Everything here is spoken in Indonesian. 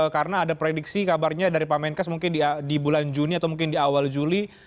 karena ada prediksi kabarnya dari pemenkes mungkin di bulan juni atau mungkin di awal juli